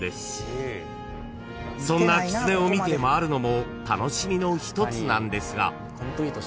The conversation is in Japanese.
［そんなきつねを見て回るのも楽しみの一つなんですが］